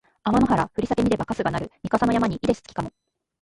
あまの原ふりさけ見ればかすがなるみ笠の山にいでし月かも